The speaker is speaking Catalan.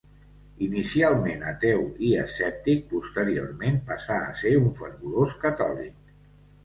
Inicialment ateu i escèptic, posteriorment passà a ser un fervorós catòlic.